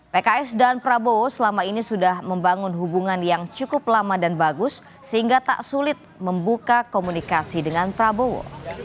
pks dan prabowo selama ini sudah membangun hubungan yang cukup lama dan bagus sehingga tak sulit membuka komunikasi dengan prabowo